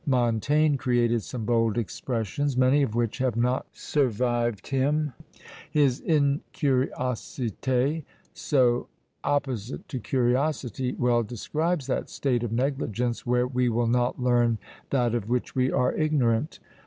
Montaigne created some bold expressions, many of which have not survived him; his incuriosité, so opposite to curiosity, well describes that state of negligence where we will not learn that of which we are ignorant.